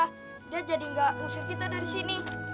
dia jadi gak usir kita dari sini